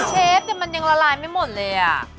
เชฟมันยังละลายไม่หมดเลยอ่ะ